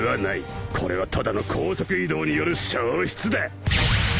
これはただの高速移動による消失だ